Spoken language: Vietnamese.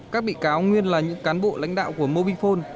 các bị cáo nguyên là những cán bộ lãnh đạo của mobile phone